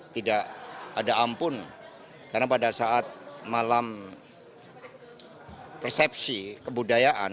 tidak ada ampun karena pada saat malam persepsi kebudayaan